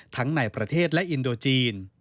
ทั้งในประเทศและอินโดจีน